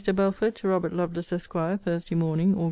BELFORD, TO ROBERT LOVELACE, ESQ. THURSDAY MORNING, AUG.